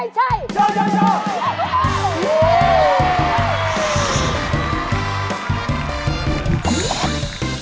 ชัย